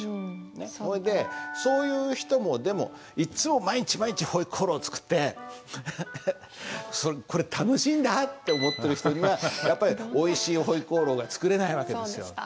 それでそういう人もでもいっつも毎日毎日回鍋肉作ってこれ楽しいんだって思ってる人よりはやっぱりおいしい回鍋肉が作れない訳ですよ。